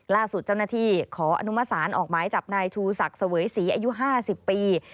ล่าสุดเจ้าหน้าที่ขออนุมสารออกหมายจับนายชูศักดิ์เสวยศรีอายุ๕๐ปี